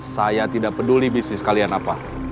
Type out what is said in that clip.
saya tidak peduli bisnis kalian apa